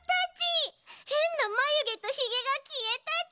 へんなまゆげとヒゲがきえたち。